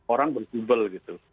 orang berjubel gitu